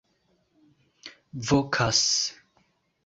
vokas